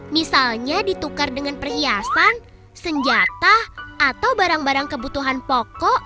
misalnya ditukar dengan perhiasan senjata atau barang barang kebutuhan pokok